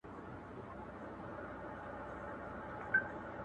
وصیـــــــــــت درته ســــــــــــرکۍ کـــمال کـړم واوره